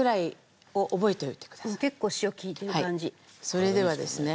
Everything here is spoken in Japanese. それではですね。